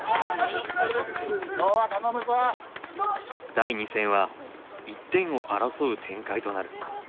第２戦は１点を争う展開となる。